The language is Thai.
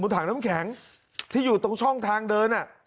ขอถามแข็งที่อยู่ตรงช่องทางเดิน